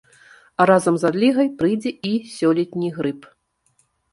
А разам з адлігай прыйдзе і сёлетні грып.